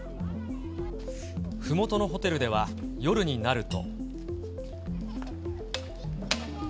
ふもとのホテルでは夜になると。